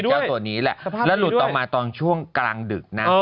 เจ้าตัวนี้แหละแล้วหลุดออกมาตอนช่วงกลางดึกนะ